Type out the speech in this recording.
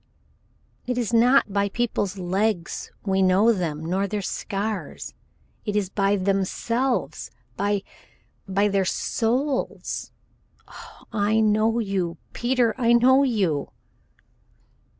"It is not by people's legs we know them, nor by their scars it is by themselves by by their souls. Oh! I know you, Peter! I know you!"